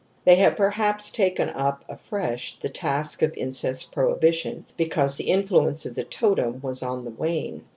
They have perhaps taken up afresh the task of incest prohibition because the influence of the tolM^m was on the wane.